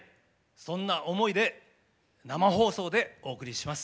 そんな思いで生放送でお送りします。